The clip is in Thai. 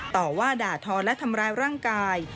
ต่อว่าด่าทอและทำร้ายร่างกาย